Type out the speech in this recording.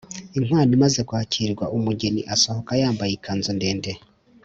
inkwano imaze kwakirwa umugeni asohoka yambaye ikanzu ndende